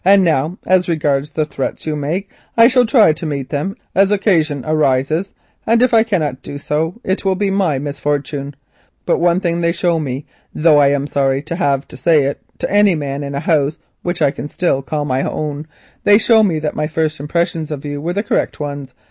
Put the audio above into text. "Now as regards the threats you make. I shall try to meet them as occasion arises, and if I cannot do so it will be my misfortune. But one thing they show me, though I am sorry to have to say it to any man in a house which I can still call my own—they show me that my first impressions of you were the correct ones.